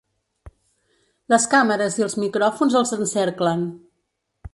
Les càmeres i els micròfons els encerclen.